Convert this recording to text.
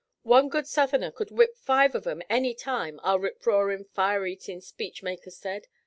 One good Southerner could whip five of 'em any time, our rip roarin', fire eatin' speech makers said.